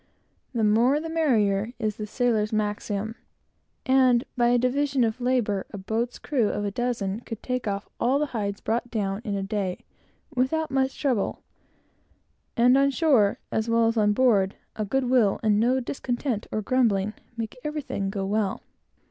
"The more, the merrier," is the sailor's maxim; and a boat's crew of a dozen could take off all the hides brought down in a day, without much trouble, by division of labor; and on shore, as well as on board, a good will, and no discontent or grumbling, make everything go well.